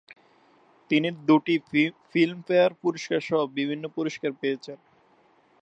তিনি দুটি ফিল্মফেয়ার পুরস্কার সহ বিভিন্ন পুরস্কার পেয়েছেন।